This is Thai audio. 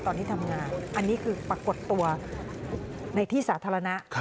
ตอนนี้ทำงานอันนี้คือปรากฏตัวในที่สาธารณะ